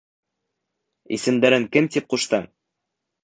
— Исемдәрен кем тип ҡуштың?